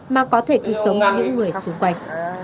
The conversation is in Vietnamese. mà có thể cứu sống những người xung quanh